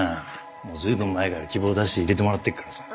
もう随分前から希望出して入れてもらってるからさ。